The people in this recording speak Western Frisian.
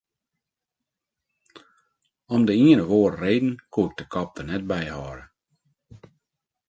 Om de ien of oare reden koe ik de kop der net by hâlde.